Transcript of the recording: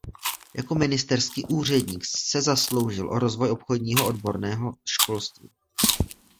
Jako ministerský úředník se zasloužil o rozvoj obchodního odborného školství.